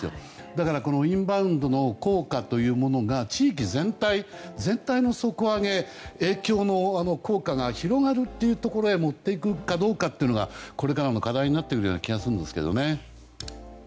だから、インバウンドの効果というものが地域全体の底上げ影響、効果が広がるところへ持っていくかどうかというのがこれからの課題になるような気がするんですけどね。